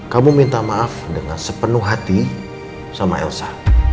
kamu minta maaf dengan sepenuh hati sama elsa